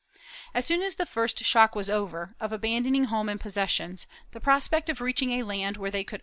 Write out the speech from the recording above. * As soon as the first shock was over, of abandoning home and possessions, the prospect of reaching a land, where they could openly • Fonseca, pp.